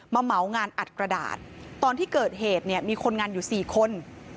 เหมางานอัดกระดาษตอนที่เกิดเหตุเนี่ยมีคนงานอยู่๔คน